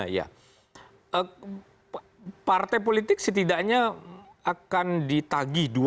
ya partai politik setidaknya akan ditagi dua tanggung jawab